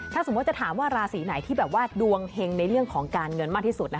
ถ้าสมมุติจะถามว่าราศีไหนที่แบบว่าดวงเห็งในเรื่องของการเงินมากที่สุด